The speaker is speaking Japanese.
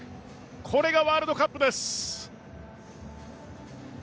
これがワールドカップです。